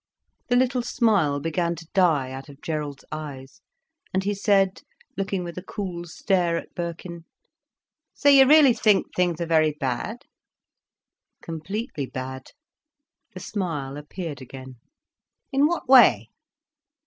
The little smile began to die out of Gerald's eyes, and he said, looking with a cool stare at Birkin: "So you really think things are very bad?" "Completely bad." The smile appeared again. "In what way?"